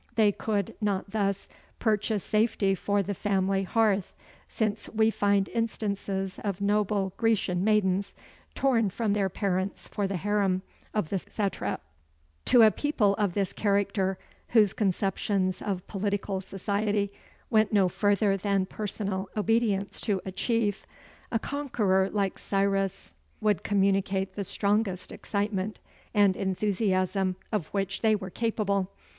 They could not thus purchase safety for the family hearth, since we find instances of noble Grecian maidens torn from their parents for the harem of the satrap. To a people of this character, whose conceptions of political society went no farther than personal obedience to a chief, a conqueror like Cyrus would communicate the strongest excitement and enthusiasm of which they were capable.